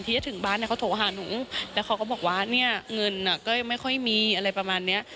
ที่จะถึงบ้านเนี่ยเขาโทรหาหนูแล้วเขาก็บอกว่าเนี่ยเงินก็ไม่ค่อยมีอะไรประมาณเนี้ย